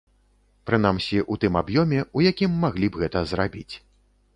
Прынамсі, у тым аб'ёме, у якім маглі б гэта зрабіць.